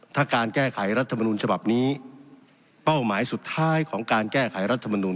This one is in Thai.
ถ้าการแก้ไขรัฐมนุนฉบับนี้เป้าหมายสุดท้ายของการแก้ไขรัฐมนุน